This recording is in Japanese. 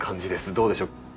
どうでしょう？